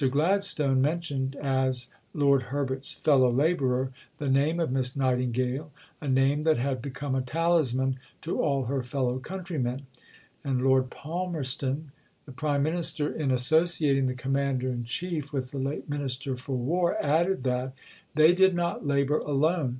Gladstone mentioned as Lord Herbert's "fellow labourer" the "name of Miss Nightingale, a name that had become a talisman to all her fellow countrymen." And Lord Palmerston, the Prime Minister, in associating the Commander in Chief with the late Minister for War, added that "they did not labour alone.